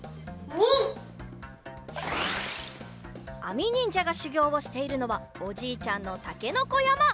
あみにんじゃがしゅぎょうをしているのはおじいちゃんのたけのこやま。